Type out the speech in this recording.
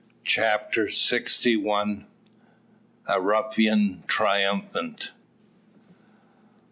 CHAPTER SIXTY ONE. A RUFFIAN TRIUMPHANT.